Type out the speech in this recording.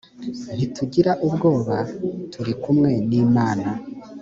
ntitugira ubwoba turi kumwe n’imana